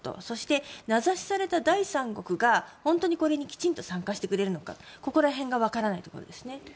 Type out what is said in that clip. そして、名指しされた第三国が本当にこれにきちんと参加してくれるのかここら辺がわからないところですね。